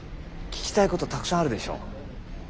聞きたいことたくさんあるでしょう？